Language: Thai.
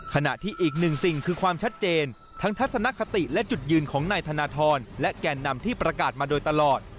ขณะที่อีกหนึ่งสิ่งคือความชัดเจนทั้งทัศนคติและจุดยืนของนายธนทรและแก่นำที่ประกาศมาโดยตลอด